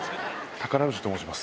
宝富士と申します。